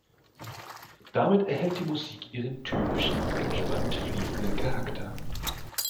Damit erhält die Musik ihren typischen, entspannt fließenden Charakter.